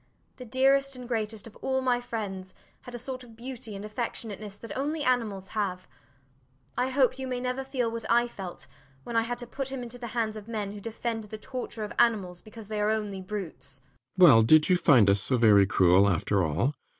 The dearest and greatest of all my friends had a sort of beauty and affectionateness that only animals have. I hope you may never feel what I felt when I had to put him into the hands of men who defend the torture of animals because they are only brutes. RIDGEON. Well, did you find us so very cruel, after all?